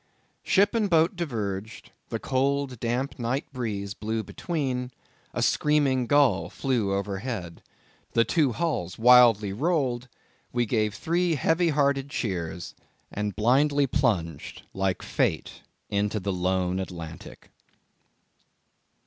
Ship and boat diverged; the cold, damp night breeze blew between; a screaming gull flew overhead; the two hulls wildly rolled; we gave three heavy hearted cheers, and blindly plunged like fate into the lone Atlantic.